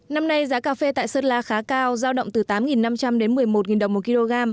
năm nay giá cà phê tại sơn la khá cao giao động từ tám năm trăm linh đến một mươi một đồng một kg